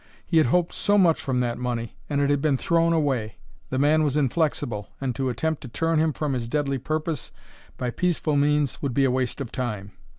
He had hoped so much from that money; and it had been thrown away! The man was inflexible, and to attempt to turn him from his deadly purpose by peaceful means would be a waste of time.